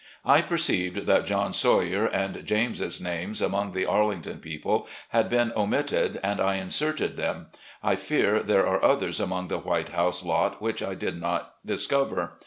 I perceived that John Sawyer and James's names, among the Arlington people, had been omitted, and inserted them. I fear there are others among the White House lot which I did not discover.